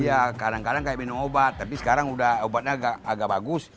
iya kadang kadang kayak minum obat tapi sekarang obatnya agak bagus